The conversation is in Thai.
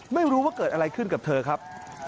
ไม่รู้ว่าเกิดอะไรขึ้นกับเธอครับ